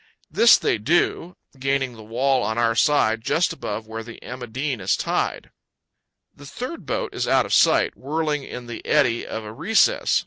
This they do, gaining the wall on our side just above where the "Emma Dean" is tied. The third boat is out of sight, whirling in the eddy of a recess.